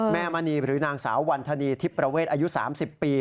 แม่มะนีหรือนางสาววันทนีที่ประเวทอายุ๓๐ปี